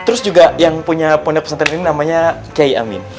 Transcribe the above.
terus juga yang punya pondok pesantren ini namanya kiai amin